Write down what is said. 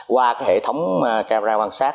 qua cái hệ thống camera quan sát